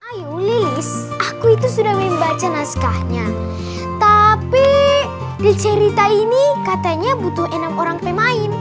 ayo lilis aku itu sudah membaca naskahnya tapi di cerita ini katanya butuh enam orang pemain